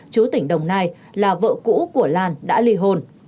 chú tỉnh đồng nai là vợ cũ của lan đã ly hôn